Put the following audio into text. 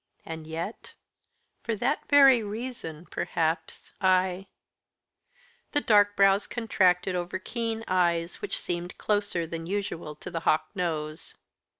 And yet for that very reason, perhaps I " The dark brows contracted over the keen eyes, which seemed closer than usual to the hawk nose.